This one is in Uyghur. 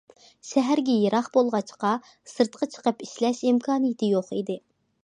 شەھەرگە يىراق بولغاچقا سىرتقا چىقىپ ئىشلەش ئىمكانىيىتى يوق ئىدى.